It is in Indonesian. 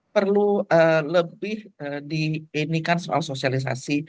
perlu lebih diinikan soal sosialisasi